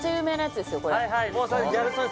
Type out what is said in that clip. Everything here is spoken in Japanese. はいはいもうそれギャル曽根